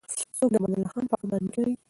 څوک د امان الله خان په اړه معلومات لري؟